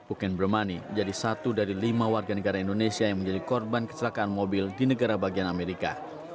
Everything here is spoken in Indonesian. uken bremone jadi satu dari lima warga negara indonesia yang menjadi korban kecelakaan mobil di negara bagian amerika